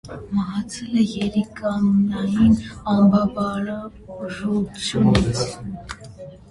Մահացել է երիկամնային անբավարարությունից։